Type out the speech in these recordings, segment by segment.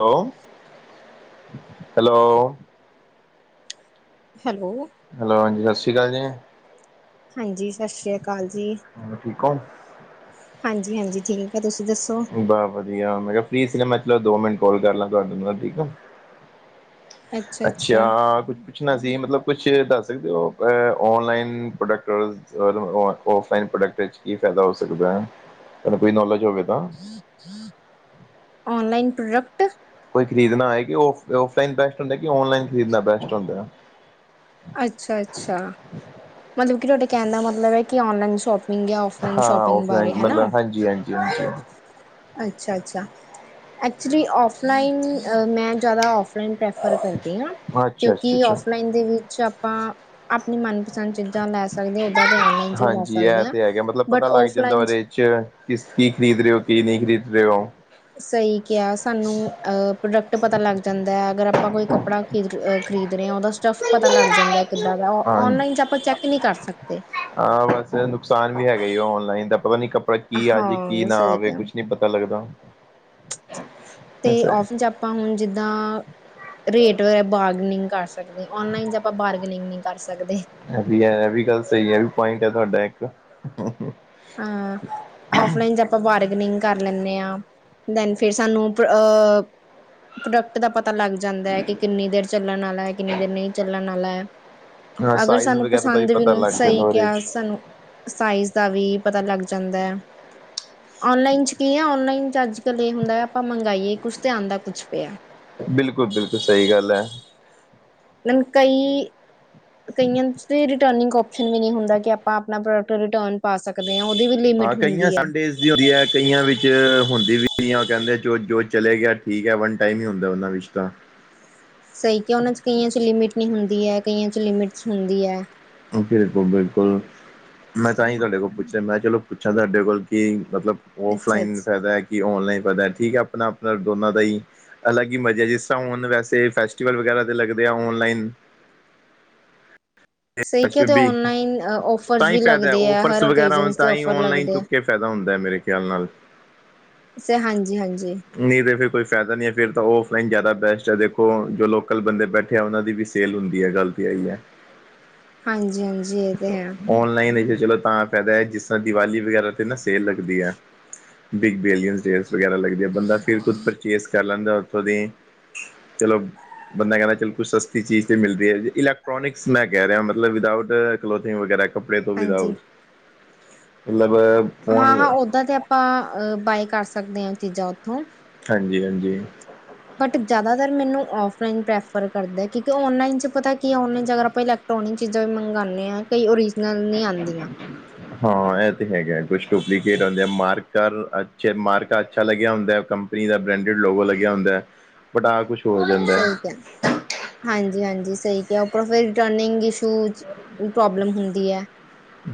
Hello hello hello hello ਹਾਂਜੀ ਸਤਿ ਸ਼੍ਰੀ ਅਕਾਲ ਜੀ ਹਾਂਜੀ ਸਤਿ ਸ੍ਰੀ ਅਕਾਲ ਜੀ, ਠੀਕ ਹੋ ਹਾਂਜੀ-ਹਾਂਜੀ ਠੀਕ ਆ, ਤੁਸੀਂ ਦੱਸੋ? ਬਸ ਵਧੀਆ ਮੈਂ ਕਿਹਾ ਫ੍ਰੀ ਸੀ ਨਾ ਮੈਂ ਕਿਹਾ ਚਲੋ ਦੋ ਮਿੰਟ ਕਾਲ ਕਰ ਲਾਂ ਤੁਹਾਡੇ ਨਾਲ ਠੀਕ ਓ ਅੱਛਾ-ਅੱਛਾ, ਅੱਛਾ ਕੁਛ ਪੁੱਛਣਾ ਸੀਂ ਮਤਲਬ ਕੁਛ ਦੱਸ ਸਕਦੇ ਹੋ ਔਨਲਾਈਨ ਪ੍ਰੋਡਕਟ ਔਰ ਔਫਲਾਈਨ ਪ੍ਰੋਡਕਟ 'ਚ ਕੀ ਫਾਇਦਾ ਹੋ ਸਕਦਾ ਹੈ ਤਾਨੂੰ ਕੋਈ ਨੌਲੇਜ ਹੋਵੇ ਤਾਂ। ਔਨਲਾਈਨ ਪ੍ਰੋਡਕਟ ਕੋਈ ਖਰੀਦਣਾ ਹੋਏ ਕਿ ਔਫਲਾਈਨ ਬੈਸਟ ਹੁੰਦੈ ਔਨਲਾਈਨ ਖਰੀਦ ਬੈਸਟ ਹੁੰਦਾ। ਅੱਛਾ-ਅੱਛਾ, ਮਤਲਬ ਕਿ ਤੁਹਾਡੇ ਕਹਿਣ ਦਾ ਮਤਲਬ ਹੈ ਕਿ ਔਨਲਾਈਨ ਸ਼ੋਪ ਔਫਲਾਇਨ ਹਾਂ ਸ਼ੋਪਿੰਗ ਬਾਰੇ ਔਫਲਾਈਨ ਹਨਾ ਮਤਲਬ ਹਾਂਜੀ ਹਾਂਜੀ ਹਾਂਜੀ ਅੱਛਾ ਅਛਾ ਐਕਚੁਲੀ ਔਫਲਾਈਨ ਮੈਂ ਜ਼ਿਆਦਾ ਔਫਲਾਈਨ ਪ੍ਰੈਫਰ ਕਰਦੀ ਹਾਂ। ਅੱਛਾ ਕਿਉਂਕਿ ਅੱਛਾ ਅੱਛਾ ਔਫਲਾਈਨ ਦੇ ਵਿੱਚ ਆਪਾਂ ਆਪਣੀ ਮਨਪਸੰਦ ਚੀਜ਼ਾਂ ਲੈ ਸਕ ਦੇ ਓਦਾਂ ਔਨਲਾਈਨ ਚ ਵੀ ਦੱਸ ਹਾਂਜੀ ਸਕਦੇ ਇਹ ਆਂ ਤੇ ਹੈਗਾ ਮਤਲਬ ਪਤਾ ਬਟ ਲੱਗ ਜਾਂਦਾ ਔਫਲਾਈਨ ਚ ਉਹਦੇ ਚ ਕਿਸ ਕੀ ਖਰੀਦ ਰਹੇ ਹੋ ਕੀ ਨਹੀਂ ਖਰੀਦ ਰਹੇ ਹੋ ਸਹੀ ਕਿਹਾ ਸਾਨੂੰ ਅਹ ਪ੍ਰੋਡਕਟ ਪਤਾ ਲੱਗ ਜਾਂਦਾ, ਅਗਰ ਆਪਾਂ ਕੋਈ ਕੱਪੜਾ ਖਰੀਦ ਰਹੇ ਆ ਉਹਦਾ ਸਟਫ ਪਤਾ ਲੱਗ ਜਾਂਦਾ, ਕਿੱਦਾਂ ਦਾ ਹਾਂ ਔਨਲਾਈਨ ਚ ਆਪਾਂ ਚੈੱਕ ਨਹੀਂ ਕਰ ਸਕਦੇ। ਹਾਂ। ਬਸ ਨੁਕਸਾਨ ਵੀ ਹੈਗੇ ਆ ਔਨਲਾਈਨ ਦਾ ਪਤਾ ਨੀ ਕੀ ਆ ਜੇ ਕੀ ਹਾਂ ਨਾ ਸਹੀ ਆਵੇ ਕਿਹਾ ਕੁਛ ਨੀ ਪਤਾ ਲੱਗਦਾ। ਤੇ ਐਸਾ ਔਫਨ ਚ ਆਪਾਂ ਹੁਣ ਜਿੱਦਾਂ ਰੇਟ ਵਰਾ ਬਾਰਗਨਿੰਗ ਕਰ ਸਕ ਔਨਲਾਈਨ ਚ ਆਪਾਂ ਬਾਰਗਨਿੰਗ ਨਹੀਂ ਕਰ ਸਕਦੇ ਇਹ ਵੀ ਐ ਇਹ ਵੀ ਗੱਲ ਸਹੀ ਐ ਇਹ ਵੀ ਪੁਆਇੰਟ ਹੈ ਤੁਹਾਡਾ ਇੱਕ ਅਂ ਔਫਲਾਈਨ ਚ ਆਪਾਂ ਬਾਰਗਨਿੰਗ ਕਰ ਲੈਂਨੇ ਹਾਂ। ਦੈਨ ਫੇਰ ਸਾਨੂੰ ਹ ਪ੍ਰੋਡਕਟ ਦਾ ਪਤਾ ਲੱਗ ਜਾਂਦਾ, ਕਿ ਕਿੰਨੀ ਦੇਰ ਚੱਲਣ ਆਲਾ ਕਿੰਨੀ ਦੇਰ ਨਹੀਂ ਚੱਲਣ ਆਲਾ ਹਾਂ ਅਗਰ ਸਾਈਜ਼ ਸਾਨੂੰ ਵਗੈਰਾ ਦਾ ਪਸੰਦ ਪਤਾ ਵੀ ਲੱਗ ਜਾਂਦਾ ਸਹੀ ਉਹਦੇ ਕਿਹਾ ਚ ਸਾਨੂੰ ਸਾਈਜ਼ ਦਾ ਵੀ, ਪਤਾ ਲੱਗ ਜਾਂਦੈ। ਔਨਲਾਈਨ ਚ ਕੀ ਐ ਔਨਲਾਈਨ ਚ ਅੱਜ ਕੱਲ ਇਹ ਹੁੰਦਾ ਆਪਾਂ ਮੰਗਾਈਏ ਕੁਛ ਆਂਦਾ ਕੁੱਛ ਪਿਆ ਬਿਲਕੁਲ - ਬਿਲਕੁਲ ਸਹੀ ਗੱਲ ਹੈ। ਕਈ ਕਈਆਂ ਰਿਨਿੰਗ ਓਪਸ਼ਨ ਵੀ ਨਹੀਂ ਹੁੰਦਾ ਕਿ ਆਪਾਂ ਆਪਣਾ ਪ੍ਰੋਡਕਟ ਰਿਟਰਨ ਪਾ ਸਕਦੇ ਹਾਂ ਉਹਦੀ ਵੀ ਹਾਂ ਲਿਮਿਟ ਕਈਆਂ ਹੁੰਦੀ ਹੈ। ਸਾਡੇਸ ਹੁੰ ਹੈ ਕਈਆਂ ਵਿੱਚ ਹੁੰਦੀ ਵੀ ਨਹੀਂ ਐ ੳਹ ਕਹਿੰਦੇ ਜੋ ਜੋ ਚਲੇ ਗਿਆ ਠੀਕ ਹੈ ਵਨ ਟਾਈਮ ਹੀ ਹੁੰਦੈ ਉਹਨਾਂ ਵਿੱਚ ਤਾਂ ਸਹੀ ਕਿਹਾ ਉਹਨਾਂ ਚ ਕਈਆਂ ਚ ਲਿਮਿਟ ਨਹੀਂ ਹੁੰਦੀ ਹੈ, ਕਈਆਂ ਚ ਲਿਮਿਟ ਹੁੰਦੀ ਹੈਂ ਬਿਲਕੁਲ-ਬਿਲਕੁਲ ਮੈਂ ਤਾਂ ਹੀ ਤੁਹਾਡੇ ਕੋਲ ਪੁੱਛਿਆ ਮੈਂ ਚਲੋ, ਪੁੱਛਾਂ ਤੁਹਾਡੇ ਕੋਲ ਕਿ ਮਤਲਬ ਅੱਛਾ ਔਫਲਾਈਨ ਅੱਛਾ। ਫਾਇਦਾ ਹੈ ਕਿ ਔਨਲਾਈਨ ਫਾਇਦਾ ਠੀਕ ਹੈ ਆਪਣਾ ਆਪਣਾ ਦੋਨਾਂ ਦਾ ਹੀ ਅਲੱਗ ਹੀ ਮਜ਼ ਹੈ ਜਿਸ ਤਰ੍ਹਾਂ ਹੁਣ ਵੈਸੇ ਫੈਸਟੀਵਲ ਵਗੈਰਾ ਦੇ ਲੱਗਦੇ ਆ ਔਨਲਾਈਨ ਸਹੀ ਅਛ ਕਿ ਉਹਦੇ ਬੀ ਔਨਲਾਈਨ ਤਾਂ ਔਫਰਸ ਹੀ ਵੀ ਫਾਇਦਾ ਹੈ ਲੱਗਦੇ ਆ ਔਫਰਸ ਹਰ ਵਗੈਰਾ ਓਕੇਜਨ ਤੇ ਤਾਂ ਹੀ ਔਫਰ ਔਨਲਾਈਨ ਲੱਗਦੇ ਆ। ਚੁੱਕ ਕੇ ਪੈਦਾ ਹੁੰਦਾ ਮੇਰੇ ਖਿਆਲ ਨਾਲ ਹਾਂਜੀ ਹਾਂਜੀ ਨਹੀਂ ਤਾਂ ਫਿਰ ਕੋ ਫਾਇਦਾ ਨਹੀਂ ਹੈ ਫਿਰ ਤਾਂ ਔਫਲਾਈਨ ਜ਼ਿਆਦਾ ਬੈਸਟ ਹੈ ਦੇਖੋ ਜੋ ਲੋਕਲ ਬੰਦੇ ਬੈਠੇ ਤੇ ਉਹਨਾਂ ਦੀ ਵੀ ਸੇਲ ਹੁੰਦੀ ਹੈ ਗੱਲ ਤੇ ਆਈ ਹੈ ਹਾਂਜੀ ਹਾਂਜੀ ਇਹ ਤੇ ਹੈ ਔਨਲਾਈਨ ਚਲੋ ਤਾਂ ਫਾਇਦਾ ਹੈ ਜਿਸ ਤਰ੍ਹਾਂ ਦੀਵਾਲੀ ਵਗੈਰਾ ਤੇ ਨਾ ਸੇਲ ਲਗਦੀ ਹੈ ਬਿੱਗ ਬਿਲੀਅਨਸ ਡੇਜ਼ ਵਗੈਰਾ ਲੱਗਦੀ ਆ ਬੰਦਾ ਫਿਰ ਖੁਦ ਪਰਚੇਜ਼ ਕਰ ਲੈਂਦਾ ਉੱਥੋਂ ਦੀ ਚਲੋ ਬੰਦਾ ਕਹਿੰਦਾ ਚਲ ਕੁਛ ਸਸਤੀ ਚੀਜ਼ ਤੇ ਮਿਲਦੀ ਹੈ ਇਲੈਕਟ੍ਰੋਨਿਕਸ ਮੈਂ ਕਹਿ ਰਿਹਾ ਮਲ ਮਤਲਬ ਵਿਦਾਊਟ ਕਲੋਥਿੰਗ ਵਗੈਰਾ ਕੱਪੜੇ ਤੋਂ ਹਾਂਜੀ। ਵਿਦਾਊਟ ਮਤਲਬ ਹਾਂ ਫੋਨ ਹਾਂ ਓਦਾਂ ਤੇ ਆਪਾਂ ਬਾਏ ਕਰ ਸਕਦੇ ਹਾਂ ਚੀਜ਼ਾਂ ਉੱਥੋਂ ਹਾਂਜੀ ਹਾਂਜੀ ਬਟ ਜ਼ਿਆਦਾਤਰ ਮੈਨੂੰ ਫਲਾਈਨ ਪ੍ਰੈਫਰ ਕਰਦਾ ਹੈ ਕਿਉਂਕਿ ਔਨਲਾਈਨ ਚ ਪਤਾ ਕੀ ਹੈ ਨਲਾਈਨ ਚ ਅਗਰ ਆਪਾਂ ਪ੍ਰੋਣੀ ਚੀਜ਼ਾਂ ਵੀ ਮੰਗਵਾਉਂਦੇ ਹਾਂ ਕਈ ਓਰੀਜਨਲ ਨਹੀਂੀ ਆਉਂਦੀਆਂ ਹਾਂ ਇਹ ਤੇ ਹੈਗਾ ਕੁਛ ਡੁਪਲੀਕੇਟ ਹੁੰਦੇ ਆ ਮਾਰਕਰ ਅੱਛੇ ਮਾਰਕ ਅੱਛਾ ਲੱਗਿਆ ਹੁੰਦਾ ਕੰ ਪਨੀ ਦਾ ਬ੍ਰੈਂਡ ਲੋਗਾ ਲੱਗਿਆ ਹੋੁੰ ਹੈ ਪਟਾ ਕੁਛ ਹੋ ਗਿਆ ਸਹੀ ਕਿਆ ਹਾਂਜੀ ਹਾਂਜੀ ਸਹੀ ਕਿਆ ਉਪਰੋਂ ਫਿਰ ਰਿਟਰਨਿੰਗ ਸ਼ੂਜ਼ ਪ੍ਰੋਬਲਮ ਹੁੰਦੀ ਹੈ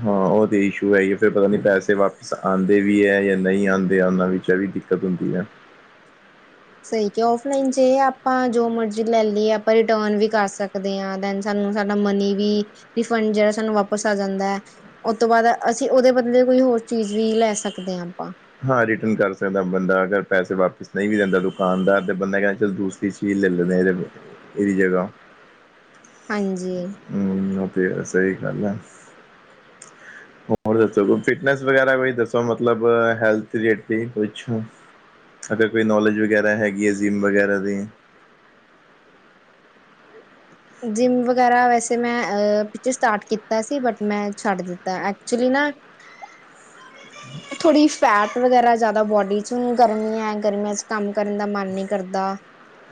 ਹਾਂ ਉਹ ਤੇ ਇਸ਼ੂ ਹੈ ਹੀ ਆ ਫਰ ਪਤਾ ਨੀ ਪੈਸੇ ਵਾਪਿਸ ਆਉਂਦੇ ਵੀ ਹੈ ਜਾਂ ਨਹੀਂ ਆਉਂਦੇ ਆ ਉਹਨਾਂ ਵਿੱਚ ਵੀ ਦਿੱਕਤ ਹੁੰਦੀ ਹੈ ਸਹੀ ਕਿਆ ਫਲਾਈਨ ਜ ਆਪਾਂ ਜੋ ਮਰਜੀ ਲੈ ਲਈਏ ਆਪਾਂ ਰਿਟਰਨ ਵੀ ਕਰ ਸਕਦੇ ਹਾਂਨ ਸਾਨੂੰ ਸਾਡਾ ਮਨੀ ਵੀ ਰਿੀਫੰਡ ਸਾਨੂੰ ਵਾਪਿਸ ਆ ਜਾਂਦਾ ਹੈ ਉਹ ਤੋਂ ਬਾਅਦ ਅਸੀਂ ਉਹਦੇ ਬਦਲੇ ਕੋਈ ਹੋਰ ਚੀਜ਼ ਵੀ ਲੈ ਸਕਦੇ ਹਾਂ ਆਪਾਂ ਹਾਂ ਰਿਟਰਨ ਕਰ ਸਕਦਾ ਬੰਦਾ ਅਗਰ ਪੈਸੇ ਵਾਪਿਸ ਨਹੀਂ ਵੀ ਦਿੰਦਾ ਦੁਕਾਨਦਾਰ ਤੇ ਬੰਦਾ ਕਹਿੰਦਾ ਚ ਦੂਸ ਸ ਚੀਲੋਰੇ ਇਹ ਜਗਾ ਹਾਂਜੀ ਹਮ ਤੇ ਸਹੀ ਗੱਲ ਆ ਹੋਰ ਦੋ ਫਿਟਨਸ ਵਗੈਰਾ ਵੀ ਦੱਸੋ ਮਤਲਬ ਹੈਲਥ ਹੈ ਵਿਚ ਅਗਰ ਕੋਈ ਨੌਲੇਜ ਵਗੈਰਾ ਹੈਗੀ ਹੈ ਜ਼ਿਮ ਵਗੈਰਾ ਦੀ ਜਿੰਮ ਵਗੈਰਾ ਵੈਸੇ ਮੈਂ ਪਿੱਛੇ ਸਟਾਰਟ ਕੀਤਾ ਸੀ ਬਟ ਮੈਂ ਛੱਡ ਦਿੱਤਾ ਐਕਚੁਲੀ ਨਾ [inaudible] [unintelligible] ਥੋੜ੍ਹੀ ਫੈਟ ਵਗੈਰਾ ਜ਼ਿਆਦਾ ਬੋਡੀ 'ਚ ਹੁਣ ਗਰਮੀੀਆਂ ਹੈ ਗਰਮੀਆਂ 'ਚ ਕੰਮ ਕਰਨ ਦਾ ਮਨ ਨਹੀਂ ਕਰਦਾ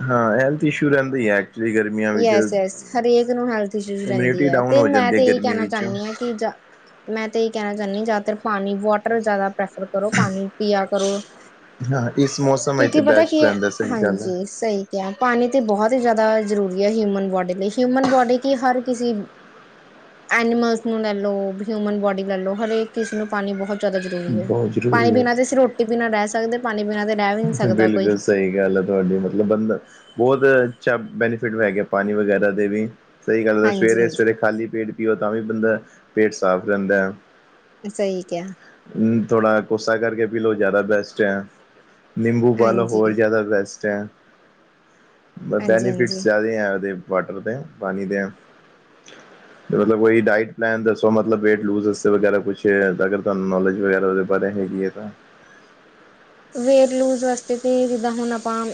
ਹਾਂ ਹੈਲਥ ਇਸ਼ੂ ਰਹਿੰਦੀ ਹੈ ਐਕਲੀ ਗਰਮੀ ਯਸ ਯਸ ਹਰੇਕ ਨੂੰ ਹੈਲਥ ਇਸ਼ੂ ਰਹਿੰਦੀ ਇਮਿਊਨਿਟੀ ਹੈ ਡਾਊਨ ਤੇ ਹੋ ਮੈਂ ਜਾਂਦੀ ਹੈ ਤੇ ਇਹੀ ਗਰਮੀ ਕਹਿਣਾ ਵਿੱਚ ਚਾਹੁੰਦੀ ਹਾਂ ਕਿ ਜਾ ਮੈਂ ਤੇ ਇਹ ਕਹਿਣਾ ਚਾਹੁੰਦੀ ਜ਼ਿਆਦਾਤਰ ਪਾਣੀ ਵਾਟਰ ਜ਼ਿਆਦਾ ਪ੍ਰੈਫਰ ਕਰੋ ਪਾਣੀ ਪੀਆ ਕਰੋ ਹਾਂ ਇਸ ਮੌਸਮ ਵਿੱਚ ਕਿਉਂਕਿ ਤਾਂ ਪਤਾ ਕੀ ਬੈਸਟ ਰਹਿੰਦਾ ਸਹੀ ਗੱਲ ਹੈ ਹਾਂਜੀ ਸਹੀ ਪਾਣੀ ਤੇ ਬਹੁਤ ਹੀ ਜ਼ਿਆਦਾ ਜ਼ਰੂਰੀ ਹੈ ਹਿਊਮਨ ਬੋਡੀ ਲਈ ਹਿਊਮਨ ਬੋਡੀ ਕਿ ਹਰ ਕਿਸੇ ਐਨੀਮਲਸ ਨੂੰ ਲੈ ਲਓ ਹਿਊਮਨ ਬੋਡੀ ਲੈ ਲਓ ਹਰੇਕ ਕਿਸਨ ਨੂੰ ਪਾਣੀ ਬਹੁਤ ਜ਼ਿਆਦਾ ਜ਼ਰੂਰੀ ਹੈ ਬਹੁਤ ਪਾਣੀ ਜ਼ਰੂਰੀ ਹੈ ਪੀਣਾ ਤੇ ਅਸੀਂ ਰੋਟੀ ਪੀਣਾ ਰਹਿ ਸਕਦੇ ਪਾਣੀ ਪੀਣਾ ਤੇ ਰਹਿ ਵੀ ਨਹੀਂ ਸਕਦਾ ਕੋਈ। ਬਿਲਕੁਲ ਸਹੀ ਗੱਲ ਆ ਤੁਹਾਡੀ ਮਤਲਬ ਬੰ ਬਹੁਤ ਅੱਛਾ ਬੈਨੀਫਿਟ ਹੈਗੇ ਪਾਣੀ ਵਗੈਰਾ ਦੇ ਵੀ ਸਹੀ ਗੱਲ ਸਵੇਰੇ ਸਵੇਰੇ ਹਾਂਜੀ-ਹਾਂਜੀ, ਖਾਲੀ ਪੇਟ ਪੀਓ ਤਾਂ ਵੀ ਬੰਦਾ ਪੇਟ ਸਾਫ਼ ਰਹਿੰਦਾ ਹੈ। ਸਹੀ ਕਿਆ ਥੋੜਾ ਕੋਸਾ ਕਰ ਕੇ ਪੀ ਲਓ ਜ਼ਿਆਦਾ ਬੈਸਟ ਹੈ। ਨਿੰਬੂ ਪਾ ਲਓ ਹਾਂਜੀ। ਹੋਰ ਜ਼ਿਆਦਾ ਬੈਸਟ ਹੈ। ਬੈਨੀਫਿਟਸ ਹਾਂਜੀ-ਹਾਂਜੀ, ਜ਼ਿਆਦੇ ਹੈ ਉਹਦੇ ਵਾਟਰ ਦੇ ਪਾਣੀ ਦੇ ਮਤਲਬ ਕੋਈ ਡਾਇਟ ਪਲੈਨ ਦੱਸੋ ਮਤਲਬ ਵੇਟ ਲੂਜਸ ਵਗੈਰਾ ਕੁਛ ਅਗਰ ਤੁਹਾਨੂੰ ਨੌਲੇਜ ਵਗੈਰਾ ਪਰ ਹੈਗੀ ਏ ਤਾਂ ਵੇਤ ਲੂਜ ਵਾਸਤੇ ਤੇ ਜਿੱਦਾਂ ਹੁਣ ਆਪਾਂ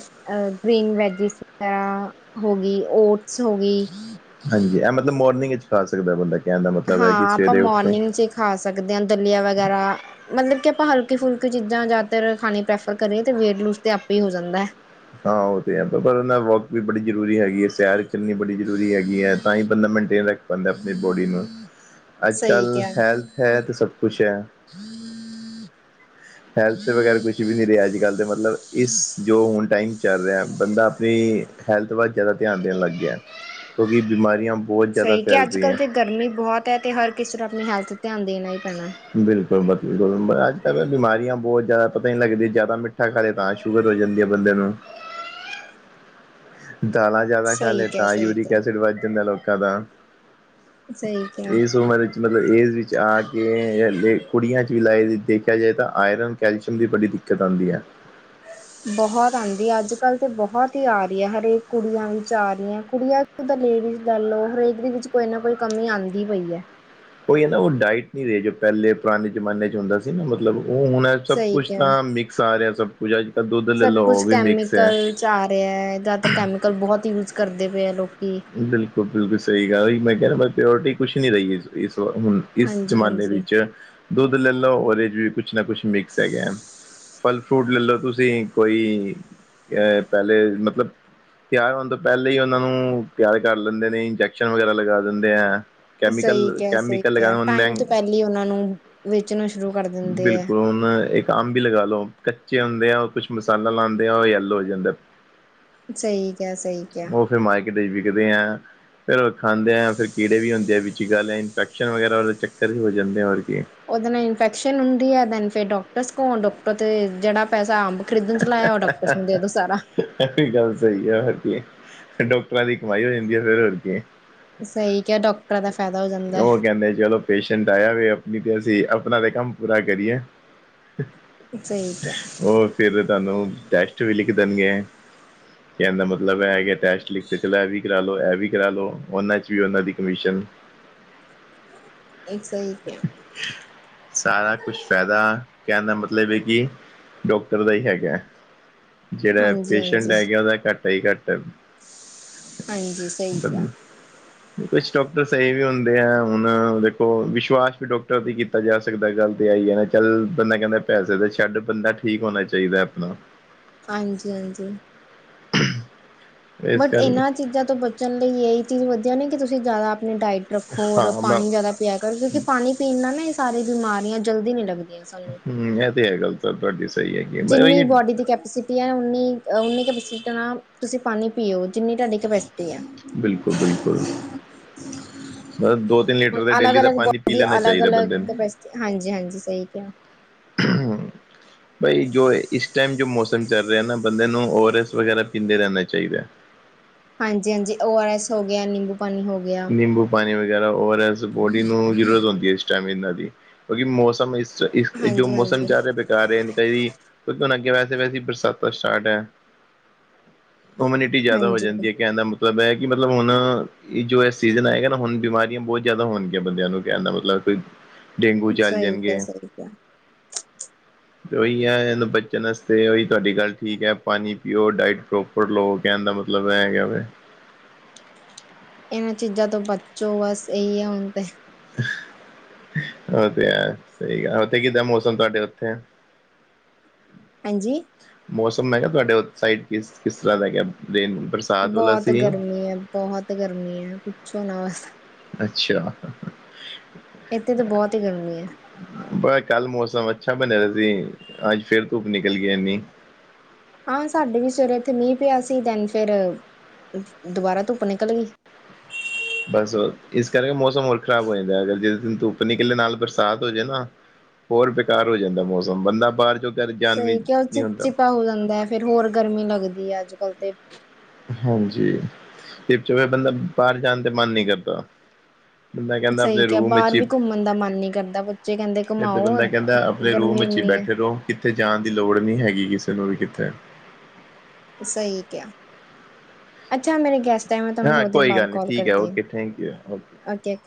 ਗ੍ਰੀਨ ਵੈਜਿਸ ਵੈਰਾ ਹੋ ਗੀ, ਓਟਸ ਹੋ ਗੀ ਹਾਂਜੀ, ਇਹ ਮਤਲਬ ਮੋਰਨਿੰਗ ਇਚ ਖਾ ਸਕਦਾ ਬੰਦਾ, ਕਹਿਣ ਦਾ ਮਤਲਬ ਹੈ ਕਿ ਹਾਂ, ਆਪਾਂ ਸਵੇਰੇ ਉੱਠਦੇ ਮੋਰਨਿੰਗ 'ਚ ਖਾ ਸਕਦੇ ਹਾਂ, ਦਲੀਆ ਵਗੈਰਾ ਮਤਲਬ ਕਿ ਆਪਾਂ ਹਲਕੀ-ਫੁਲਕੀ ਚੀਜ਼ਾਂ ਜ਼ਿਆਦਾਤਰ ਖਾਣੀ ਪ੍ਰੈਫਰ ਕਰੀਏ ਤੇ ਵੇਟ ਲੂਜ ਤੇ ਆਪੇ ਹੀ ਹੋ ਜਾਂਦਾ। ਹਾਂ ਉਹ ਤੇ ਹੈ। ਪਰ ਪਰ ਉਹਨਾਂ ਵੋਕ ਵੀ ਬੜੀ ਜ਼ਰੂਰੀ ਹੈਗੀ ਏ, ਸੈਰ ਕਰਣੀ ਬੜੀ ਜ਼ਰੂਰੀ ਹੈਗੀ ਹੈ ਤਾਂ ਹੀ ਬੰਦਾ ਮੈਨਟੇਨ ਰੱਖ ਪਾਂਦਾ ਅਪਨੀ ਬੋਡੀ ਨੂੰ। ਅੱਜ ਸਹੀ ਕੱਲ ਕਿਹਾ। ਹੈਲਥ ਹੈ ਤੇ ਸਭ ਕੁਛ ਹੈ। ਹੈਲਥ ਵਗੈਰਾ ਕੁਛ ਵੀ ਨਹੀਂ ਰਿਹਾ। ਅੱਜ ਕੱਲ ਤੇ ਮਤਲਬ ਇਸ ਜੋ ਹੁਣ ਟਾਈਮ ਚੱਲ ਰਿਹਾ। ਬੰਦਾ ਆਪਣੀ ਹੈਲਥ ਵੱਲ ਜ਼ਿਆਦਾ ਧਿਆਨ ਦੇਣ ਲੱਗ ਗਿਆ ਕਿਉਂਕਿ ਬਿਮਾਰੀਆਂ ਬਹੁਤ ਜ਼ਿਆਦਾ ਸਹੀ ਕਿ ਫੈਲ ਅੱਜ ਕੱਲ ਰਹੀਆਂ ਤੇ ਗਰਮੀ ਬਹੁਤ ਹੈ ਤੇ ਹਰ ਕਿਸੇ ਨੂੰ ਆਪਣੀ ਹੈਲਥ ਧਿਆਨ ਦੇਣਾ ਹੀ ਪੈਣਾ। ਬਿਲਕੁਲ- ਬਿਲਕੁਲ ਅੱਜ ਕੱਲ ਬਿਮਾਰੀਆਂ ਬਹੁਤ ਜ਼ਿਆਦਾ ਪਤਾ ਨੀ ਲੱਗਦੀ ਜ਼ਿਆਦਾ ਮਿੱਠਾ ਖਾ ਲਏ ਤਾਂ ਸ਼ੁਗ ਸ਼ੂਗਰ ਹੋ ਜਾਂਦੀ ਏ ਬੰਦੇ ਨੂੰ। ਦਾਲਾਂ ਜ਼ਿਆਦਾ ਖਾ ਸਹੀ ਲੇ ਕਿਹਾ ਤਾ ਸਹੀ ਯੂਰਿਕ ਕਿਹਾ ਐਸਿਡ ਵੱਧ ਜਾਂਦਾ ਲੋਕਾਂ ਦਾ। ਸਹੀ ਕਿਹਾ। ਇਸ ਉਮਰ ਚ ਮਤਲਬ ਏਜ ਵਿੱਚ ਆ ਕੇ ਲੇ ਕੁੜੀਆਂ 'ਚ ਵੀ ਲਾਏ ਦੇਖਿਆ ਜਾਵੇ ਤਾਂ ਆਇਰਨ ਕੈਲਸ਼ੀਅਮ ਦੀ ਬੜੀ ਦਿੱਕਤ ਆਂਦੀ ਐ। ਬਹੁਤ ਆਂਦੀ ਹੈ ਅੱਜ ਕੱਲ ਤੇ ਬਹੁਤ ਹੀ ਆ ਰਹੀ ਹੈ। ਹਰੇਕ ਕੁੜੀਆਂ ਵਿੱਚ ਆ ਰੀਆਂ। ਕੁੜੀਆਂ ਤਾਂ ਲੇਡੀਜ਼ ਲੈ ਲਓ ਹਰੇਕ ਦੇ ਵਿੱਚ ਕੋਈ ਨਾ ਕੋਈ ਕਮੀ ਆਂਦੀ ਪਈ ਐ। ਉਹੀ ਹੈ ਨਾ ਉਹ ਡਾਇਟ ਨਹੀਂ ਰਹੇ ਜੋ ਪਹਿਲੇ ਪੁਰਾਣੇ ਜ਼ਮਾਨੇ 'ਚ ਹੁੰਦਾ ਸੀ ਨਾ ਮਤਲਬ। ਉਹ ਹੁਣ ਸਭ ਸਹੀ ਕੁਛ ਕਿਹਾ। ਤਾਂ ਮਿਕਸ ਆ ਰਿਹਾ ਸਭ ਕੁਛ ਅੱਜ ਕਲ ਦੁੱਧ ਲੈ ਸਭ ਲਓ ਉਹ ਕੁਛ ਵੀ ਮਿਕਸ ਐ। ਕੈਮੀਕਲ ਚ ਆ ਰਿਐ ਜ਼ਿਆਦਾਤਰ ਕੈਮੀਕਲ ਬਹੁਤ ਯੂਜ ਕਰਦੇ ਪਏ ਐ ਲੋਕੀ। ਬਿਲਕੁਲ-ਬਿਲਕੁਲ ਸਹੀ ਗੱਲ ਓਈ ਮੈਂ ਕਹਿ ਰਿਹਾ ਮ ਪਿਓਰਟੀ ਕੁਛ ਨਹੀਂ ਰਹੀ ਇਸ-ਇਸ ਵ ਹੁਣ। ਇਸ ਹਾਂਜੀ ਜ਼ਮਾਨੇ ਹਾਂਜੀ ਵਿੱਚ ਦੁੱਧ ਲੈ ਲਓ ਉਹਦੇ ਚ' ਵੀ ਕੁਛ ਨਾ ਕੁਛ ਮਿਕਸ ਹੈਗੈ। ਫਲ ਫਰੂਟ ਲੈ ਲਓ ਤੁਸੀਂ ਕੋਈ ਅਹ ਪਹਿਲੇ ਮਤਲਬ ਤਿਆਰ ਹੋਣ ਤੋਂ ਪਹਿਲੇ ਹੀ ਉਹਨਾਂ ਨੂੰ ਤਿਆਰ ਕਰ ਲੈਂਦੇ ਨੇ ਇੰਜੈਕਸ਼ਨ ਵਗੈਰਾ ਲਗਾ ਦਿੰਦੇ ਐਂ। ਸਹੀ ਕਿਆ-ਸਹੀ ਕਿਆ ਟਾਈਮ ਤੋਂ ਪਹਿਲੇ ਹੀ ਉਹਨਾਂ ਨੂੰ ਵੇਚਣਾ ਸ਼ੁਰੂ ਕਰ ਦਿੰਦੇ ਐ। ਬਿਲਕੁਲ ਹੁਣ ਇੱਕ ਅੰਬ ਈ ਲਗਾ ਲੋ ਕੱਚੇ ਹੁੰਦੇ ਐਂ ਉਹ ਕੁਛ ਮਸਾਲਾ ਲਾਂਦੇ ਐਂ ਉਹ ਯੈਲੋ ਹੋ ਜਾਂਦੈ। ਸਹੀ ਕਿਹਾ ਸਹੀ ਕਿਹਾ ਉਹ ਫਿਰ ਮਾਈਕ ਦੇ ਵਿਕਦੇ ਐਂ। ਫਿਰ ਉਹ ਖਾਂਦੇ ਆ ਫਿਰ ਕੀੜੇ ਵੀ ਹੁੰਦੇ ਆ ਵਿੱਚ ਹੀ ਗੱਲ ਹੈ ਇਨਫੈਕਸ਼ਨ ਵਗੈਰਾ ਉਹਦੇ ਚੱਕਰ ਵੀ ਹੋ ਜਾਂਦੇ ਆ ਹੋਰ ਕੀ ਉਹਦੇ ਨਾਲ ਇਨਫੈਕਸ਼ਨ ਹੁੰਦੀ ਹੈ ਦੈਨ ਫਿਰ ਡਾਕਟਰਸ ਕੋਂ ਡੋਕਟਰ ਤੇ ਜਿਹੜਾ ਪੈਸਾ ਆਂਬ ਖਰੀਦਣ ਚ ਲਾਇਆ ਓਹ ਡਾਕਟਰਸ ਨੂੰ ਦੇ ਦੋ ਸਾਰਾ। ਐ ਵੀ ਗੱਲ ਸਹੀ ਐ ਹੋਰ ਕੀ ਡਾਕਟਰਾਂ ਦੀ ਕਮਾਈ ਹੋ ਜਾਂਦੀ ਐ ਫਿਰ ਹੋਰ ਕੀ ਏ। ਸਹੀ ਕਿਹਾ ਡਾਕਟਰਾਂ ਦਾ ਫਾਇਦਾ ਹੋ ਜਾਂਦਾ। ਉਹ ਕਹਿੰਦੇ ਚਲੋ ਪੇਸ਼ੈਂਟ ਆਇਆ ਵੇ ਆਪਨੀ ਤੇ ਅਸੀਂ ਅਪਨਾ ਤੇ ਕੰਮ ਪੂਰਾ ਕਰੀਏ। ਸਹੀ ਕਿਹਾ। ਉਹ ਫਿਰ ਤੁਹਾਨੂੰ ਟੈਸਟ ਵੀ ਲਿਖ ਦੇਣਗੇ। ਕੈਣ ਦ ਮਤਲਬ ਐ ਹੈਗੈ ਟੈਸਟ ਲਿਖ ਤੇ ਚਲੋ ਇਹ ਵੀ ਕਰਾ ਲਓ ਇਹ ਵੀ ਕਰਾ ਲਓ ਉਹਨਾਂ 'ਚ ਵੀ ਉਹਨਾਂ ਦੀ ਕਮਿਸ਼ਨ। ਇੱਕ ਸਹੀ ਕਿਆ। ਸਾਰਾ ਕੁਛ ਫਾਇਦਾ ਕਹਿਣ ਦਾ ਮਤਲਬ ਏ ਕਿ ਡੋਕਟਰ ਦਾ ਹੀ ਹੈਗੈ ਜਿਹੜਾ ਹਾਂਜੀ ਪੇਸ਼ੈਂਟ ਹਾਂਜੀ ਹੈਗੈ ਉਹਦਾ ਘਾਟਾ ਈ ਘਾਟਾ। ਹਾਂਜੀ ਸਹੀ ਕਿਆ। ਕੁਛ ਡੋਕਟਰ ਸਹੀ ਵੀ ਹੁੰਦੇ ਐਂ ਹੁਣ ਦੇਖੋ ਵਿਸ਼ ਵਿਸ਼ਵਾਸ ਵੀ ਡੋਕਟਰ ਤੇ ਈ ਕੀਤਾ ਜਾ ਸਕਦਾ ਗੱਲ ਤੇ ਐ ਈ ਏ ਨਾ ਚੱਲ ਬੰਦਾ ਕਹਿੰਦਾ ਪੈਸੇ ਤੇ ਛੱਡ ਬੰਦਾ ਠ ਠੀਕ ਹੋਣਾ ਚਾਹੀਦਾ ਆਪਣਾ। ਹਾਂਜੀ-ਹਾਂਜੀ। [unintelligible] ਬਟ ਕਰਕੇ ਇਹਨਾਂ ਚੀਜ਼ਾਂ ਤੋਂ ਬਚਣ ਲਈ ਇਹੀ ਚੀਜ਼ ਵਧੀਆ ਨੀ ਕਿ ਤੁਸੀਂ ਜ਼ਿਆਦਾ ਆਪਣੀ ਡਾਇਟ ਔਰ ਹਾਂ ਮੈਂ ਪਾਣੀ ਜ਼ਿਆਦਾ ਪੀਆ ਕਰੋ। ਕਿਉਂਕਿ' ਪਾਣੀ ਪੀਣ ਨਾਲ ਨਾ ਇਹ ਸਾਰੀ ਬਿਮਾਰੀਆਂ ਜਲਦੀ ਨੀ ਲੱਗਦੀਆਂ ਸਾਨੂੰ। ਐ ਤੇ ਹੈ ਗੱਲ ਤੁਹਾਡੀ ਸਹੀ ਏ ਪਰ ਐਵੀਂ। ਉ ਉਨੀ ਤੁਸੀਂ ਪਾਣੀ ਪੀਓ, ਜਿੰਨੀ ਤੁਹਾਡੀ ਕਪੈਸਿਟੀ ਹੈ। ਬਿਲਕੁਲ-ਬਿਲਕੁਲ। ਹੁਣ ਲੀਟਰ ਦਾ ਡੇਲੀ ਦਾ ਅਲਗ-ਅਲਗ ਪਾਣੀ ਬੰਦੇ ਪੀ ਦੀ ਲੈਣਾ ਅਲੱਗ- ਚਾਹੀਦਾ ਅਲੱਗ ਬੰਦੇ ਕ ਹਾਂਜੀ-ਹਾਂਜੀ ਸਹੀ ਕਿਹਾ। ਨੂੰ ਬਈ ਜੋ ਇਸ ਟਾਈਮ ਜੋ ਮੌਸਮ ਚੱਲ ਰਿਹਾ ਨਾ ਬੰਦੇ ਨੂੰ ਓਰਸ ਵਗੈਰਾ ਪੀਂਦੇ ਰਹਿਣਾ ਚਾਹੀਦਾ ਹੈ। ਹਾਂਜੀ-ਹਾਂਜੀ ਓ ਆਰ ਐਸ ਹੋ ਗਿਆ। ਨਿੰਬੂ ਪਾਣੀ ਹੋ ਗਿਆ। ਨਿੰਬੂ ਪਾਣੀ ਵਗੈਰਾ ਔਰ ਬੋਡੀ ਨੂੰ ਜ਼ਰੂਰਤ ਹੁੰਦੀ ਹੈ। [unintelligible] ਜੇਵੇ ਇਨਦੀ। ਜੋ ਮੋਸਮ ਹਾਂਜੀ-ਹਾਂਜੀ। ਚਲ ਰਿਹਾ ਇਸ ਤਰਾ ਜਾ ਰਹੇ ਨ ਕੇ ਕਿਉਂਕਿ ਹੁਣ ਅੱਗੇ ਵੈਸੇ-ਵੈਸੇ ਬਰਸਾਤਾਂ ਸਟਾਰਟ ਹੈ। ਕਮਿਨਿਟੀ ਜਿਆਦਾ ਹੋ ਹਾਂਜੀ ਜਾਂਦੀ ਹੈ। ਹਾਂਜੀ ਕਹਿਣ ਦਾ ਮਤਲਬ ਹੈ ਕਿ' ਮਤਲਬ ਹੁਣ ਜੋ ਸੀਜ਼ਨ ਆਏਗਾ ਨਾ ਹੁਣ ਬਿਮਾਰੀਆਂ ਬਹੁਤ ਜ਼ਿਆਦਾ ਹੋਣਗੀਆਂ ਬੰਦਿਆਂ ਨੂੰ। ਕਹਿਦਾ ਮਤਲਬ ਕੋਈ ਡੇਂਗੂ ਚੱਲ ਸਹੀ ਕਿਹਾ ਜਾਣਗੇ। ਸਹੀ ਕਿਹਾ। ਉਹੀ ਹੈ। ਇਹਨੂੰ ਬਚਣ ਵਾਸਤੇ ਉਹੀ ਤੁਹਾਡੀ ਗੱਲ ਠੀਕ ਹੈ। ਪਾਣੀ ਪੀਓ, ਡਾਇਟੋ ਪਰ ਲੋਕ ਕਹਿਣ ਦਾ ਮਤਲਬ ਏ ਹੈਗਾ ਵ। ਇਹਨਾਂ ਚੀਜ਼ਾਂ ਤੋਂ ਬੱਚੋ ਬਸ ਇਹੀ ਹੈ ਹੁਣ ਤੇ। ਉਹ ਤੇ ਹੈ। ਸਹੀ ਗ ਉੱਥੇ ਕਿੱਦਾਂ ਮੌਸਮ ਤੁਹਾਡੇ ਉੱਥੇ? [inaudible] ਹਾਂਜੀ। ਮੌਸਮ ਹੈਗਾ ਤੁਹਾਡੇ ਸਾਈਡ ਕਿਸ-ਕਿਸ ਤਰ੍ਹਾਂ ਦਾ ਹੈ। ਰਨਾ। ਬਹੁਤ ਗਰਮੀ ਹੈ, ਬਹੁਤ ਗਰਮੀ ਹੈ। ਪੁੱਛੋ ਨਾ ਬਸ ਅੱਛਾ। ਇੱਥੇ ਤਾਂ ਬਹੁਤ ਹੀ ਗਰਮੀ ਹੈ। ਪਰ ਕੱਲ ਮੌਸਮ ਅੱਛਾ ਬਣ ਰਿਹਾ ਸੀ। ਅੱਜ ਫੇਰ ਧੁੱਪ ਨਿਕਲ ਗਈ ਇੰਨੀ। ਹਾਂ, ਸਾਡੇ ਵੀ ਸਵੇਰੇ ਉੱਥੇ ਮੀਂਹ ਪਿਆ ਸੀ ਦੈਨ ਫੇਰ ਦੁਬਾਰਾ ਧੁੱਪ ਨਿਕਲ ਗਈ। ਬਸ ਇਸ ਕਰਕੇ ਮੌਸਮ ਹੋਰ ਖ਼ਰਾਬ ਹੋ ਜਾਂਦਾ। ਅਗਰ ਜੇ ਦਿਨ ਧੁੱਪ ਨਿਕਲੇ ਨਾਲ ਬਰਸਾਤ ਹੋ ਜਾਏ ਨਾ ਹੋਰ ਬੇਕਾਰ ਹੋ ਜਾਂਦਾ ਮੌਸਮ, ਬੰਦਾ ਬਾਹਰ ਜੋ ਕਰ ਜਾਣ ਵੀ ਸਹੀ ਕਿਹਾ ਆ ਨਹੀਂ ਚਿਪ- ਹੁੰਦਾ ਚਿਪਾ ਹੋ ਜਾਂਦਾ ਹੈ। ਫੇਰ ਹੋਰ ਗਰਮੀ ਲੱਗਦੀ ਹੈ। ਅੱਜ ਕੱਲ ਤੇ ਹਾਂਜੀ, ਤੇ ਚ' ਬੰਦਾ ਬਾਹਰ ਜਾਣ ਤੇ ਮਨ ਨਹੀਂ ਕਰਦਾ। ਬੰਦਾ ਕਹਿੰਦਾ ਸਹੀ ਆਪਣੇ ਕਿਹਾ ਰੂਮ ਵਿੱਚ ਬਾਹਰ ਹੀ ਵੀ ਘੁੰਮਣ ਦਾ ਮਨ ਨੀਂ ਕਰਦਾ। ਬੱਚੇ ਕਹਿੰਦੇ ਫਿਰ ਤੇ ਘੁਮਾਓ। ਬੰਦਾ ਕਹਿੰਦਾ ਆਪਣੇ ਰੂਮ ਗਰਮੀ ਵਿੱਚ ਹੀ ਇੰਨੀ ਹੈ ਬੈਠੇ ਰਹੋ। ਕਿੱਥੇ ਜਾਣ ਦੀ ਲੋੜ ਨਹੀਂ ਹੈਗੀ ਕਿਸੇ ਨੂੰ ਵੀ ਕਿੱਥੇ। ਸਹੀ ਕਿਹਾ, ਅੱਛਾ ਮੇਰੇ ਗੈਸਟ ਮੈਂ ਤੁਹਾਨੂੰ ਹਾਂ ਥੋਡੀ ਦੇਰ ਕੋਈ ਬਾਅਦ ਗੱਲ ਨਹੀਂ ਕੋਲ ਠੀਕ ਹੈ ਕਰਦੀ। Okay thank you okay.